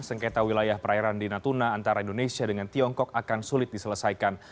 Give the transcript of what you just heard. sengketa wilayah perairan di natuna antara indonesia dengan tiongkok akan sulit diselesaikan